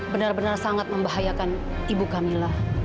benar benar sangat membahayakan ibu kamila